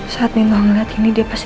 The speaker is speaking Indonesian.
saat memang melihat ini dia pasti